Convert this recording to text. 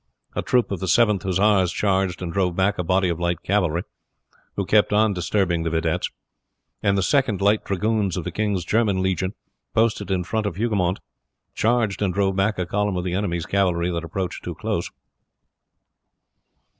A troop of the Seventh Hussars charged and drove back a body of light cavalry, who kept on disturbing the videttes; and the Second Light Dragoons of the king's German legion, posted in front of Hougoumont, charged and drove back a column of the enemy's cavalry that approached too close.